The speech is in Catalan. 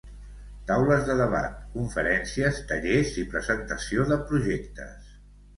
Taules de debat, conferències, tallers i presentació de projectes.